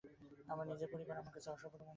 আমার নিজের পরিবার আমার কাছে অসম্পূর্ণ মনে হয়।